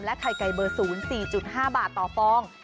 และไข่ไก่เบอร์ศูนย์๔๕บาทต่อปอง